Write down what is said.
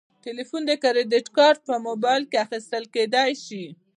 د تلیفون د کریدت کارت په موبایل کې اخیستل کیدی شي.